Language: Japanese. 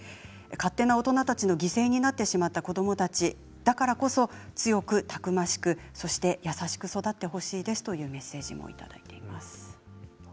勝手な大人たちの犠牲になってしまった子どもたちだからこそ強くたくましく優しく育ってほしいですというメッセージもいただいています。